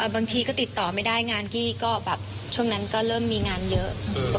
บางทีก็ติดต่อไม่ได้งานกี้ก็แบบช่วงนั้นก็เริ่มมีงานเยอะ